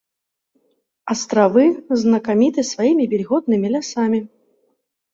Астравы знакаміты сваімі вільготнымі лясамі.